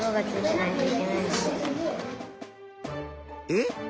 えっ？